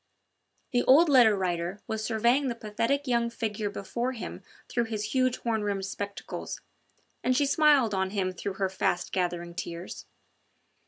The old Letter Writer was surveying the pathetic young figure before him through his huge horn rimmed spectacles, and she smiled on him through her fast gathering tears.